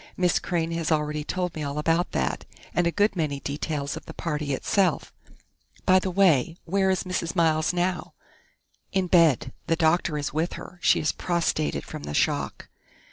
"Miss Crain has already told me all about that, and a good many details of the party itself.... By the way, where is Mrs. Miles now?" "In bed. The doctor is with her. She is prostrated from the shock."